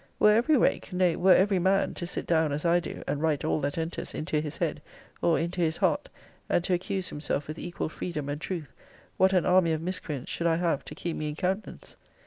Were every rake, nay, were every man, to sit down, as I do, and write all that enters into his head, or into his heart, and to accuse himself with equal freedom and truth, what an army of miscreants should I have to keep me in countenance!